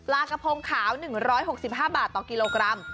กระพงขาว๑๖๕บาทต่อกิโลกรัม